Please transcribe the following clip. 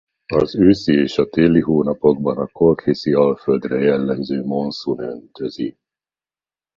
Az őszi és a téli hónapokban a kolkhiszi alföldre jellemző monszun öntözi.